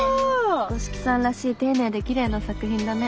五色さんらしい丁寧できれいな作品だね。